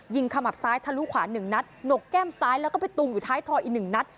ขมับซ้ายทะลุขวา๑นัดหนกแก้มซ้ายแล้วก็ไปตุงอยู่ท้ายทอยอีก๑นัด